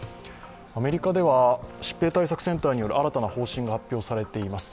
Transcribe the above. アメリカでは、疾病対策センターによる新たな方針が発表されています。